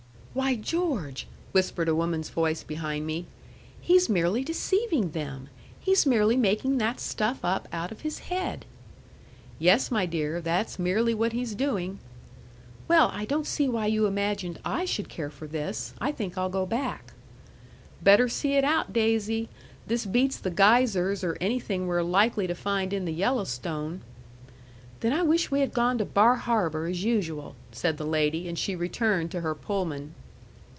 "Why, George," whispered a woman's voice behind me, "he's merely deceiving them! He's merely making that stuff up out of his head." "Yes, my dear, that's merely what he's doing." "Well, I don't see why you imagined I should care for this. I think I'll go back." "Better see it out, Daisy. This beats the geysers or anything we're likely to find in the Yellowstone." "Then I wish we had gone to Bar Harbor as usual," said the lady, and she returned to her Pullman.